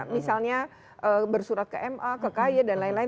misalnya bersurat ke ma ke ky dan lain lain